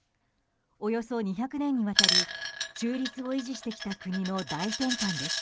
およそ２００年にわたり中立を維持してきた国の大転換です。